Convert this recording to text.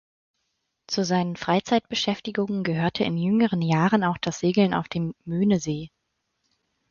Zu seinen Freizeitbeschäftigungen gehörte in jüngeren Jahren auch das Segeln auf dem Möhnesee.